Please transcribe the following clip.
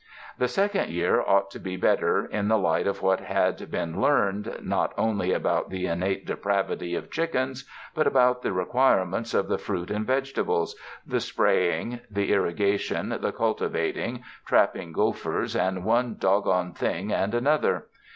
The second year ought to be better, in the light of what had been learned not only about the innate depravity of chickens, but about the requirements of the fruit and vegetables — the spraying, the irrigation, the cultivating, trapping gophers and one doggoned thing and an other.